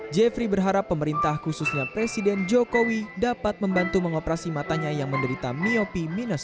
jeffrey berharap pemerintah khususnya presiden jokowi dapat membantu mengoperasi matanya yang menderita miopi minus dua